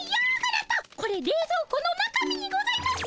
これれいぞう庫の中身にございます。